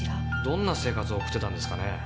どんな生活を送ってたんですかね？